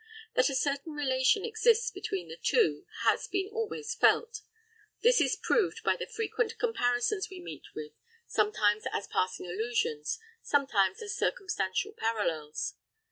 That a certain relation exists between the two, has been always felt; this is proved by the frequent comparisons we meet with, sometimes as passing allusions, sometimes as circumstantial parallels.